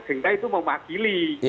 sehingga itu memakili